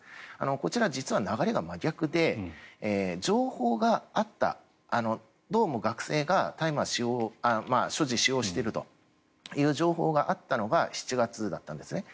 こちら、実は流れが真逆で情報があったどうも学生が大麻を所持・使用しているという情報があったのが７月だったんですね。